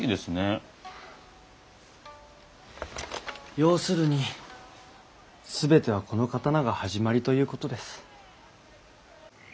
要するにすべてはこの刀が始まりということです。